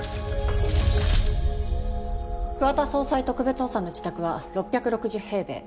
桑田総裁特別補佐の自宅は６６０平米。